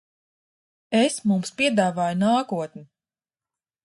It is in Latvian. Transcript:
Es mums piedāvāju nākotni.